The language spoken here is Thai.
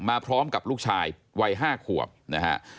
มาพร้อมกับลูกชายวัย๕ขวบนะฮะ